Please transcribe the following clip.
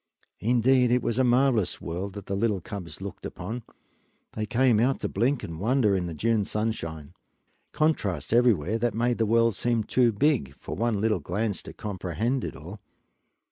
Indeed it was a marvelous world that the little cubs looked upon when they came out to blink and wonder in the June sunshine. Contrasts everywhere, that made the world seem too big for one little glance to comprehend it all.